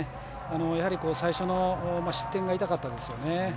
やはり、最初の失点が痛かったですよね。